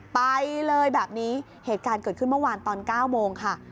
ไปเลยแบบนี้เหตุการณ์เกิดขึ้นเมื่อวานตอน๙โมงค่ะ